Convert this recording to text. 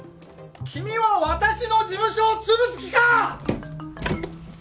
君は私の事務所を潰す気か！